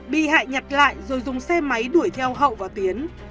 bị hại nhặt lại rồi dùng xe máy đuổi theo hậu và tiến